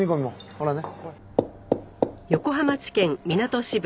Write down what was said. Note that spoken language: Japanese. ほらね。